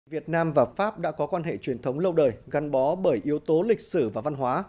việt nam và pháp đã có quan hệ truyền thống lâu đời gắn bó bởi yếu tố lịch sử và văn hóa